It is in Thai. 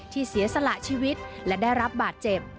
เสียสละชีวิตและได้รับบาดเจ็บ